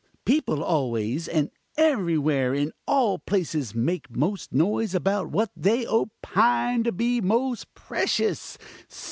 People always, and everywhere in all places, make most noise about what they opine to be most precious.